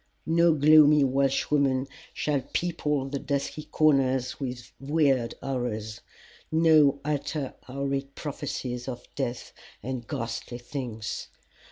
No gloomy Welshwoman shall people the dusky corners with weird horrors, nor utter horrid prophecies of death and ghastly things.